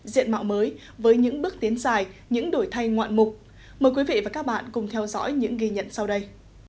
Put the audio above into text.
diện mạo mới với những bước tiến dài những đổi thay ngoạn mục mời quý vị và các bạn cùng theo dõi những ghi nhận sau đây